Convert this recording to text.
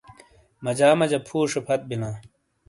مجا مجا پھُوشے پھت بِیلاں۔